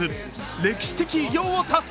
歴史的偉業を達成。